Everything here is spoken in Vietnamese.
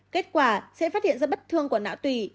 kết quả sẽ phát hiện ra bất thường của não tủy